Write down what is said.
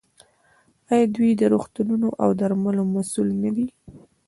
آیا دوی د روغتونونو او درملو مسوول نه دي؟